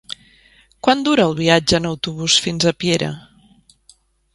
Quant dura el viatge en autobús fins a Piera?